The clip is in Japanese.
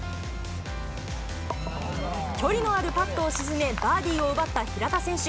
距離のあるパットを沈め、バーディーを奪った平田選手。